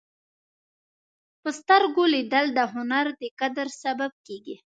په سترګو لیدل د هنر د قدر سبب کېږي